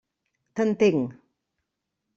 T'entenc.